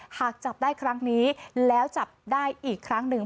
หากจับได้ครั้งนี้แล้วจับได้อีกครั้งหนึ่ง